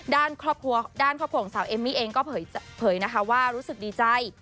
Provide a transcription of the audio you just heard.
ด้านครอบครัวของสาวเอมมี่เองก็เผยนะคะว่ารู้สึกดีใจ